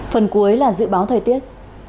phần cuối là dự báo thời tiết